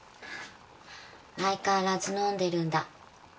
相変わらず飲んでるんだ。